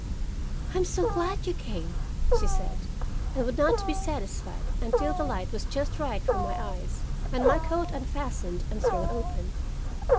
"I'm so glad you came!" she said, and would not be satisfied until the light was just right for my eyes, and my coat unfastened and thrown open.